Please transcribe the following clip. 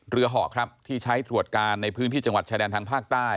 เหาะครับที่ใช้ตรวจการในพื้นที่จังหวัดชายแดนทางภาคใต้